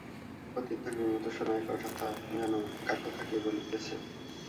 প্রতিধ্বনির মতো শোনায় কথাটা, যেন কার কথা কে বলিতেছে!